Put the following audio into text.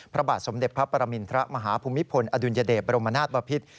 พระบาทสมเด็จพระปรมินทรมาฮภูมิพลอดุลยเดชบรมนาศบพิษ